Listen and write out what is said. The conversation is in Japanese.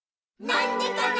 なんでかな？」